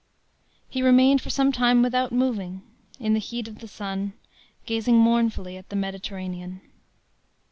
He remained for some time without moving, in the heat of the sun, gazing mournfully at the Mediterranean.